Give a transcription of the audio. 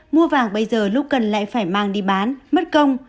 mua vàng bây giờ lúc cần lại phải mang đi bán mất công